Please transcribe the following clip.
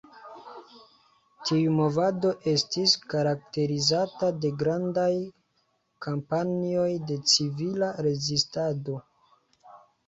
Tiu movado estis karakterizata de grandaj kampanjoj de civila rezistado.